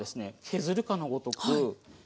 削るかのごとく。